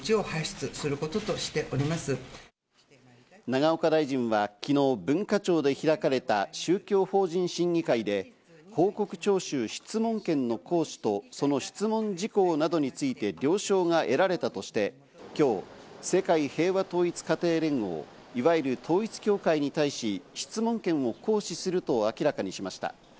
永岡大臣は昨日、文化庁で開かれた宗教法人審議会で、報告徴収・質問権の行使と、その質問事項などについて了承が得られたとして、今日、世界平和統一家庭連合、いわゆる統一教会に対し、質問権を行使すると明らかにしました。